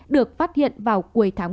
được phát hiện vào cuối tháng một mươi một